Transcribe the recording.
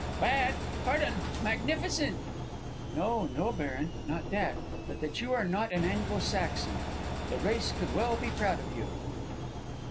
"Bad? Pardon. Magnificent!" "No, no, baron; not that. But that you are not an Anglo Saxon. The race could well be proud of you."